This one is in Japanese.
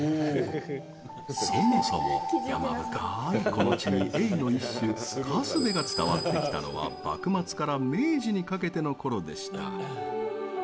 そもそも山深いこの地にエイの一種カスベが伝わってきたのは幕末から明治にかけての頃でした。